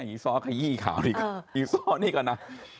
อีซ้อขยี้ขาวนี่อีซ้อนี่ก่อนนะ